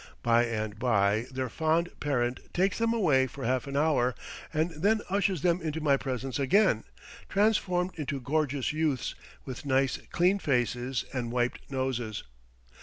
By and by their fond parent takes them away for half an hour, and then ushers them into my presence again, transformed into gorgeous youths with nice clean faces and wiped noses.